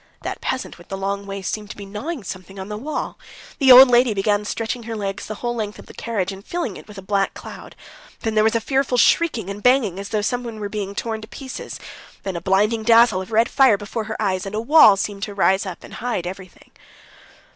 That peasant with the long waist seemed to be gnawing something on the wall, the old lady began stretching her legs the whole length of the carriage, and filling it with a black cloud; then there was a fearful shrieking and banging, as though someone were being torn to pieces; then there was a blinding dazzle of red fire before her eyes and a wall seemed to rise up and hide everything.